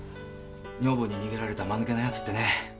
女房に逃げられた間抜けな奴ってね。